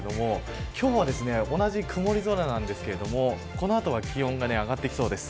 今日も同じ曇り空なんですけどこの後は気温が上がってきそうです。